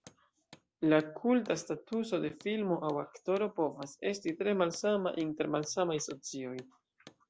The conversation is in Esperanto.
La kulta statuso de filmo aŭ aktoro povas esti tre malsama inter malsamaj socioj.